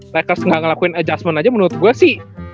rekerts gak ngelakuin adjustment aja menurut gua sih